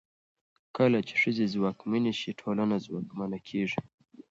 کله چې ښځې ځواکمنې شي، ټولنه ځواکمنه کېږي.